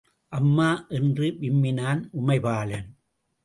அம்மா! என்று விம்மினான் உமைபாலன்.